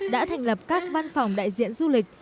đã thành lập các văn phòng đại diện du lịch